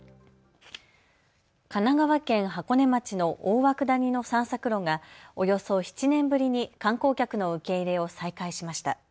神奈川県箱根町の大涌谷の散策路がおよそ７年ぶりに観光客の受け入れを再開しました。